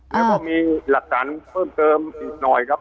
แล้วก็มีหลักฐานเพิ่มเติมอีกหน่อยครับ